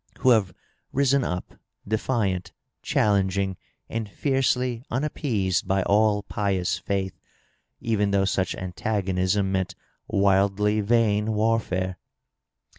who have risen up, defiant, challenging, and fiercely unap peased by all pious faith, even though such antagonism meant wildly vain warfare.